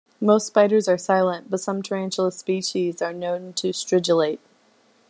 Most spiders are silent, but some tarantula species are known to stridulate.